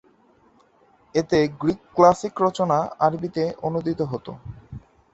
এতে Greek classic রচনা আরবিতে অনূদিত হত।